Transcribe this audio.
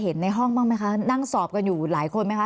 ในห้องบ้างไหมคะนั่งสอบกันอยู่หลายคนไหมคะ